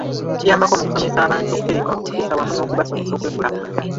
Kiyambako mu kusomesa abantu okutereka, okufissa wamu n'okubasomesa okwekulaakulanya.